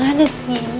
aduh mau kemana sih